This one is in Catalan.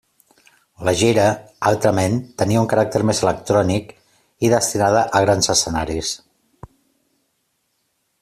La gira, altrament, tenia un caràcter més electrònic i destinada a grans escenaris.